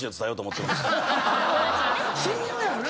親友やろな。